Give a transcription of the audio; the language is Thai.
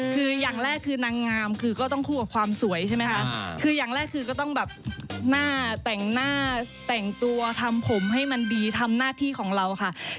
คืออย่างแรกคือนางงามคือก็ต้องคู่กับความสวยใช่ไหมคะคืออย่างแรกคือก็ต้องแบบหน้าแต่งหน้าแต่งตัวทำผมให้มันดีทำหน้าที่ของเราค่ะ